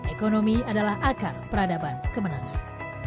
ekonomi adalah akar peradaban kemenangan